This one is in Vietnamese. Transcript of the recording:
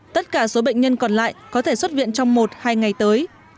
tất cả số bệnh nhân còn lại có thể xuất viện trong một hai ngày tới